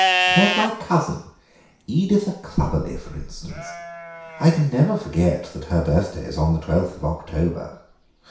There's my cousin, Editha Clubberley, for instance; I can never forget that her birthday is on the 12th of October.